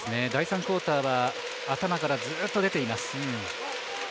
第３クオーターは頭からずっと出ています。